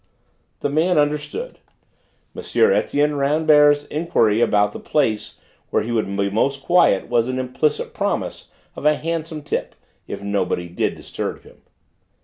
The man understood. M. Etienne Rambert's enquiry about the place where he would be most quiet, was an implicit promise of a handsome tip if nobody did disturb him.